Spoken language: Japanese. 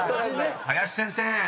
［林先生